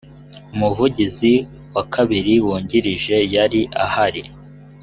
umuvugizi wa kabiri wungirije yari ahari